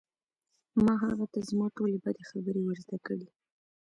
ما هغه ته زما ټولې بدې خبرې ور زده کړې